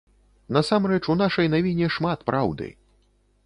Насамрэч, у нашай навіне шмат праўды.